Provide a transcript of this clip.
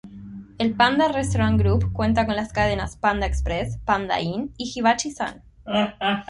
El Panda Restaurant Group cuenta con las cadenas Panda Express, Panda Inn y Hibachi-San.